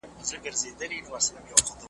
كه تل غواړئ پاچهي د شيطانانو .